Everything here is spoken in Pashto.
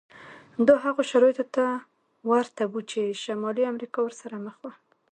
دا هغو شرایطو ته ورته و چې شمالي امریکا ورسره مخ وه.